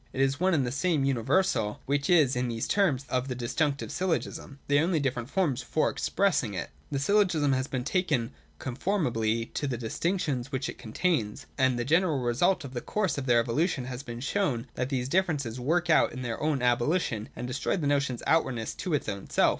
It is one and the same universal which is in these terms of the Disjunctive syllogism; they are only different forms for express ing it. 192.] The syllogism has been taken conformably to the distinctions which it contains ; and the general result of the course of their evolution has been to show that these differences work out their own abolition and destroy the notion's outwardness to its own self.